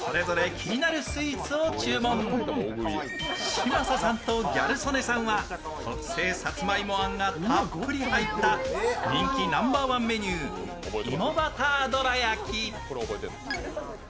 嶋佐さんとギャル曽根さんは特製さつまいもあんがたっぷり入った人気ナンバーワンメニュー、芋バターどら焼。